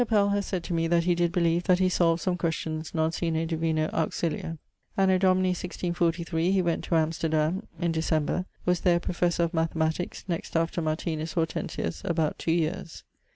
Pell haz sayd to me that he did believe that he solved some questions non sine divino auxilio. Anno Domini 1643 he went to Amsterdam, in December; was there Professor of Mathematiques, next after Martinus Hortensius, about 2 yeares.